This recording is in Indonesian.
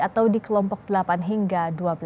atau di kelompok delapan hingga dua belas